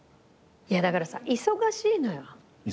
だからさ忙しいのよ。